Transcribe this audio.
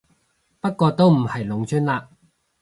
不過都唔係農村嘞